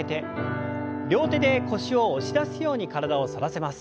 両手で腰を押し出すように体を反らせます。